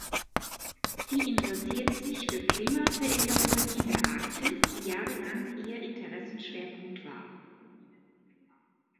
Sie interessiert sich für Klimaveränderungen in der Arktis, die jahrelang ihr Interessenschwerpunkt war.